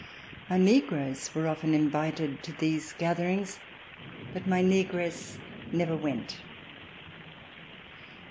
Our negroes were often invited to these gatherings, but my negress never went.